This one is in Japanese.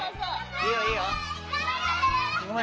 いいよいいよ。